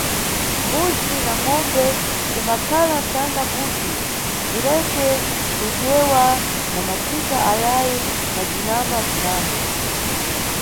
Mbuzi na ngʼombe zimbakhala nʼthanga kuti zeleke kudya na matika ayayi na bzinyama bzinango.